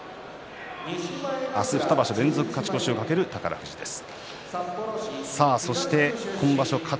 明日、２場所連続勝ち越しを懸ける宝富士です。